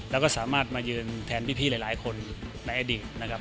แล้วก็สามารถมายืนแทนพี่หลายคนในอดีตนะครับ